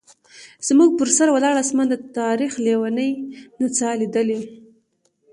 زموږ پر سر ولاړ اسمان د تاریخ لیونۍ نڅا لیدلې.